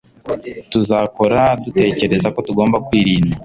Tuzakora dutekereza ko tugomba kwirinda